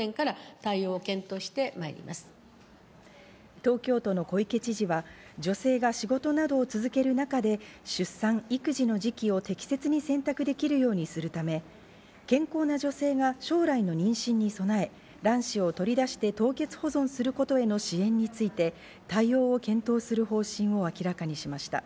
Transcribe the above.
東京都の小池知事は、女性が仕事などを続ける中で出産、育児の時期を適切に選択できるようにするため、健康な女性が将来の妊娠に備え、卵子を取り出して凍結保存することへの支援について、対応を検討する方針を明らかにしました。